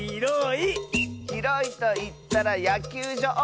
「ひろいといったらやきゅうじょう！」